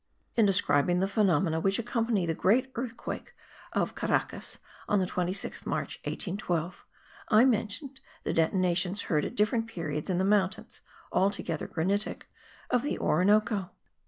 In describing the phenomena which accompanied the great earthquake of Caracas,* on the 26th March, 1812, I mentioned the detonations heard at different periods in the mountains (altogether granitic) of the Orinoco.